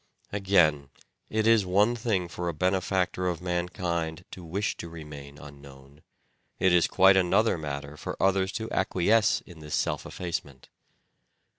Again, it is one thing for a benefactor of mankind to wish to remain unknown, it is quite another matter for others to acquiesce in this self effacement.